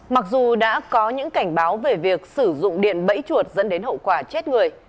mặc dù đã có những cảnh báo về việc sử dụng điện bẫy chuột dẫn đến hậu quả chết người